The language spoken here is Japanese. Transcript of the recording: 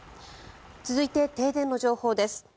続いて、停電の情報です。